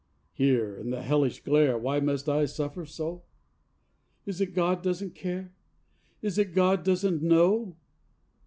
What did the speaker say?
Here in the hellish glare Why must I suffer so? Is it God doesn't care? Is it God doesn't know?